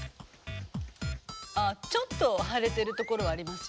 ああちょっと腫れてるところはありますよね。